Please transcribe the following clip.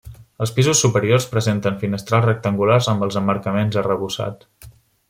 Els pisos superiors presenten finestrals rectangulars amb els emmarcaments arrebossats.